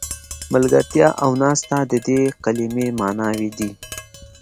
ملګرتیا او ناسته د دې کلمې معناوې دي.